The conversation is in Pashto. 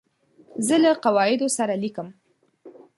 زه له قواعدو سره لیکم.